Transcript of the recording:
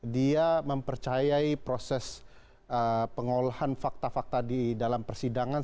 dia mempercayai proses pengolahan fakta fakta di dalam persidangan